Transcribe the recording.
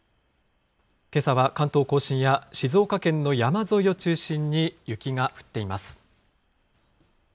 けさは関東甲信や静岡県の山沿いを中心に、雪が降っています。